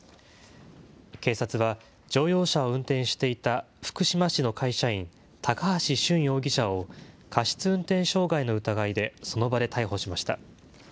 警察は、乗用車を運転していた福島市の会社員、高橋俊容疑者を過失運転傷害の疑いでその場で逮捕しました。